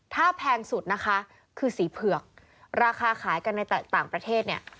ถ้าแพงสุดนะคะคือสีเผือกราคาขายกันในต่างประเทศเนี่ย